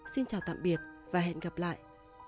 xin chào tạm biệt và hẹn gặp lại